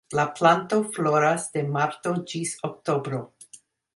La planto floras de marto ĝis oktobro.